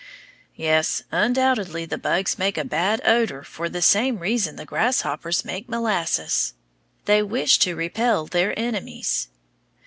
Yes, undoubtedly the bugs make a bad odor for the same reason the grasshoppers make molasses. They wish to repel their enemies.